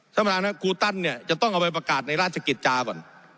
สมมติภาษณะฮะกูตั่นเนี่ยจะต้องเอาไปปากอดในราชกิจจาก่อน